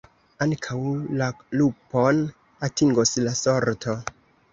Ankaŭ la lupon atingos la sorto.